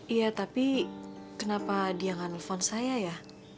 iya tapi kenapa dia nge nelfon saya ya